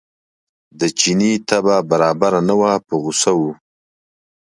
د چیني طبع برابره نه وه په غوسه و.